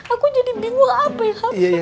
aku jadi bingung apa ya